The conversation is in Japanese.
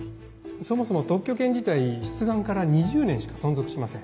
そもそも特許権自体出願から２０年しか存続しません。